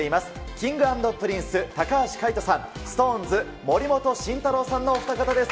Ｋｉｎｇ＆Ｐｒｉｎｃｅ・高橋海人さん、ＳｉｘＴＯＮＥＳ・森本慎太郎さんのお二方です。